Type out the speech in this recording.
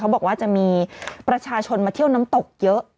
บอกว่าจะมีประชาชนมาเที่ยวน้ำตกเยอะ